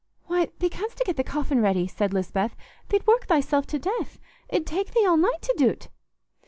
"Why, thee canstna get the coffin ready," said Lisbeth. "Thee't work thyself to death. It 'ud take thee all night to do't."